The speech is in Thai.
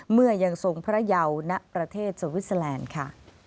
เมื่อยังทรงพระเยาณประเทศสวิสเตอร์แลนด์ค่ะ